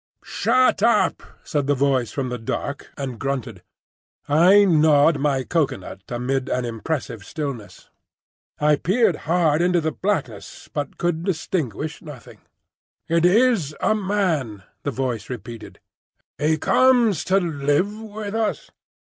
"Shut up!" said the voice from the dark, and grunted. I gnawed my cocoa nut amid an impressive stillness. I peered hard into the blackness, but could distinguish nothing. "It is a man," the voice repeated. "He comes to live with us?"